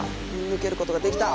ぬけることができた。